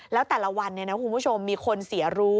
แล้วแต่ละวันคุณผู้ชมมีคนเสียรู้